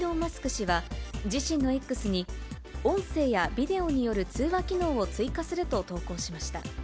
氏は自身のＸに、音声やビデオによる通話機能を追加すると投稿しました。